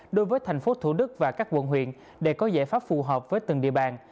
đối với thành phố thủ đức và các quận huyện để có giải pháp phù hợp với từng địa bàn